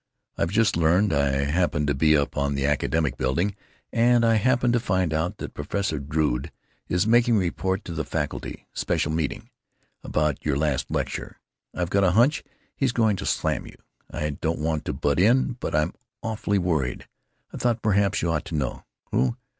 I've just learned—I happened to be up in the Academic Building and I happened to find out that Professor Drood is making a report to the faculty—special meeting!—about your last lecture. I've got a hunch he's going to slam you. I don't want to butt in, but I'm awfully worried; I thought perhaps you ought to know.... Who?